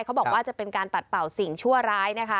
เขาบอกว่าจะเป็นการปัดเป่าสิ่งชั่วร้ายนะคะ